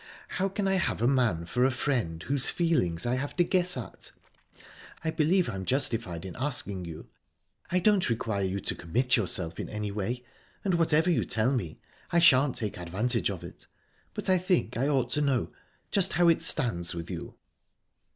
How can I have a man for a friend whose feelings I have to guess at?...I believe I'm justified in asking you, I don't require you to commit yourself in any way, and whatever you tell me, I shan't take advantage of it but I think I ought to know just how it stands with you."